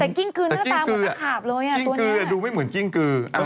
แต่กิ้งกือนั่นตาเหมือนตะขาบเลยอะตัวนี้อะแต่กิ้งกือดูไม่เหมือนกิ้งกือ